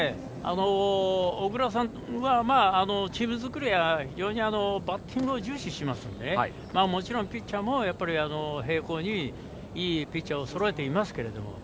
小倉さんはチーム作りはバッティングを重視するのでもちろんピッチャーも平行にいいピッチャーをそろえていますけど。